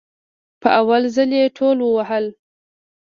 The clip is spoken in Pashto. په اول ځل يي ټول ووهل